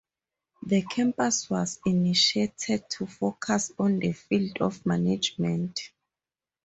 The campus was initiated to focus on the field of management.